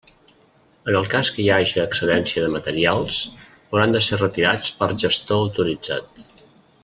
En el cas que hi haja excedència de materials, hauran de ser retirats per gestor autoritzat.